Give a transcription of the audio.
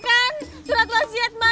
nggak ada buktinya nyomut